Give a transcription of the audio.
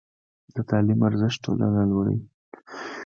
د تعلیم ارزښت ټولنه لوړوي.